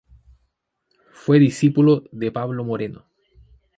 Fue discípulo de Pablo Moreno.